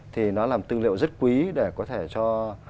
thì nó là một tư liệu rất quý để có thể cho